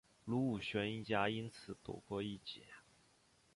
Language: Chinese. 卢武铉一家因此躲过一劫。